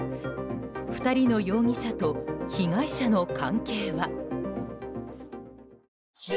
２人の容疑者と被害男性の関係は？